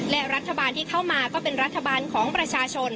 และรัฐบาลที่เข้ามาก็เป็นรัฐบาลของประชาชน